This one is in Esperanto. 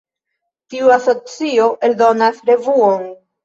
Tiu asocio eldonas revuon.